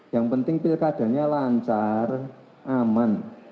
yang penting pilkadanya lancar aman